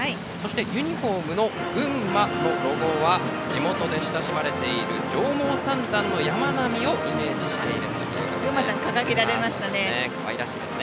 ユニフォームのＧＵＮＭＡのロゴは地元で親しまれている上毛三山の山並みをイメージしているということです。